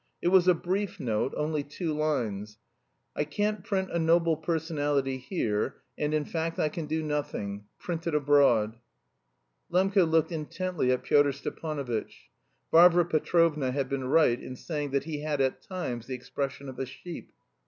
It was a brief note, only two lines: "I can't print 'A Noble Personality' here, and in fact I can do nothing; print it abroad. "Iv. Shatov." Lembke looked intently at Pyotr Stepanovitch. Varvara Petrovna had been right in saying that he had at times the expression of a sheep.